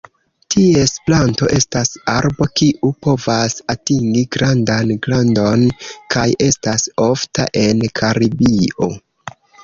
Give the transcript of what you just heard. Ties planto estas arbo kiu povas atingi grandan grandon, kaj estas ofta en Karibio.